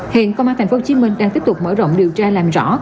hiện công an tp hcm đang tiếp tục mở rộng điều tra làm rõ